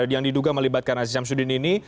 yang diduga melibatkan aziz syamsuddin ini